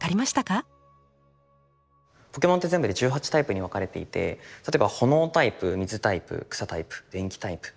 ポケモンって全部で１８タイプに分かれていて例えばほのおタイプみずタイプくさタイプでんきタイプとか。